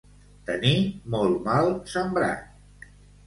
Tenir molt mal sembrat.